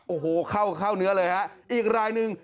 โอ้โหเข้าเนื้อเลยฮะอีกรายนึง